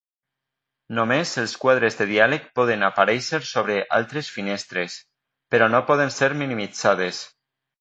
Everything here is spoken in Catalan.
Només els quadres de diàleg poden aparèixer sobre altres finestres, però no poden ser minimitzades.